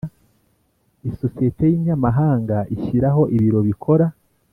Isosiyete y inyamahanga ishyiraho ibiro bikora